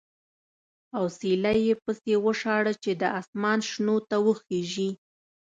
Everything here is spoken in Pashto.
اوسیلی یې پسې وشاړه چې د اسمان شنو ته وخېژي.